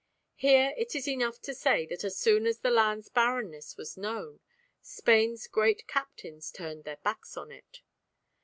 Here it is enough to say that as soon as the land's barrenness was known, Spain's great captains turned their backs on it.